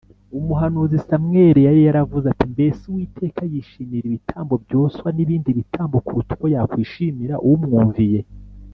umuhanuzi samweli yari yaravuze ati: “mbese uwiteka yishimira ibitambo byoswa n’ibindi bitambo kuruta uko yakwishimira umwumviye?